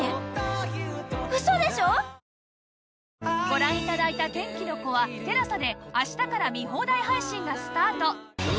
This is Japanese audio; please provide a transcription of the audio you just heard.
ご覧頂いた『天気の子』は ＴＥＬＡＳＡ で明日から見放題配信がスタート